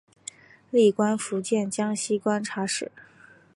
历官福建江西观察使。